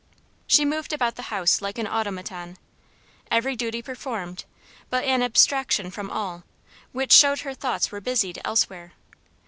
She moved about the house like an automaton. Every duty performed but an abstraction from all, which shewed her thoughts were busied elsewhere.